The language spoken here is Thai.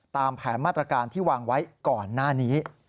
ตามแผนมาตรการที่วางไว้ก่อนหน้านี้